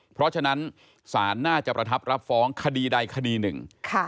เพราะฉะนั้นศาลน่าจะประทับรับฟ้องคดีใดคดีหนึ่ง